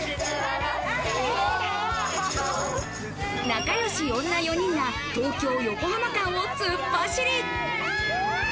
仲よし女４人が東京ー横浜間を突っ走り。